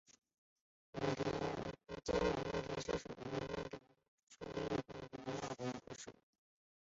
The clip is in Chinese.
尖尾弄蝶属是弄蝶科竖翅弄蝶亚科中的一个属。